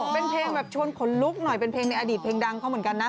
เป็นเพลงแบบชวนขนลุกหน่อยเป็นเพลงในอดีตเพลงดังเขาเหมือนกันนะ